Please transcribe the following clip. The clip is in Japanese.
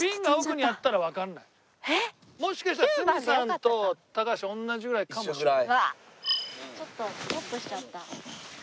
もしかしたら鷲見さんと高橋同じぐらいかもしれない。